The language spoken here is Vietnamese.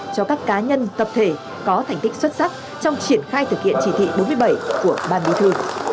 cho các cá nhân tập thể có thành tích xuất sắc trong triển khai thực hiện chỉ thị bốn mươi bảy của ban bí thư